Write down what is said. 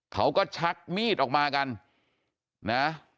ชักมีดออกมากันนะ